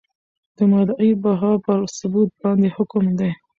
د مدعی بها پر ثبوت باندي حکم دی ؟